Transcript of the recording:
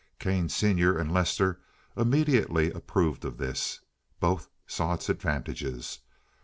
Kane senior and Lester immediately approved of this. Both saw its advantages.